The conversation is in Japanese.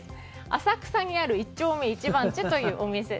浅草にある一丁目一番地というお店。